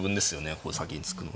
こう先に突くの。